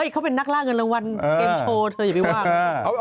เขาเป็นนักล่าเงินรางวัลเกมโชว์เธออย่าไปว่า